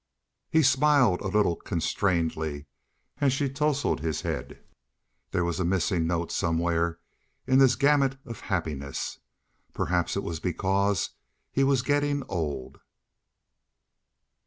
He smiled a little constrainedly as she tousled his head; there was a missing note somewhere in this gamut of happiness; perhaps it was because he was getting old.